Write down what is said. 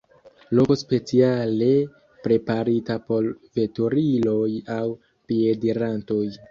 Loko speciale preparita por veturiloj aŭ piedirantoj.